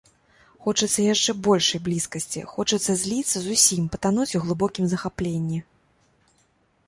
Хочацца яшчэ большай блізкасці, хочацца зліцца зусім, патануць у глыбокім захапленні.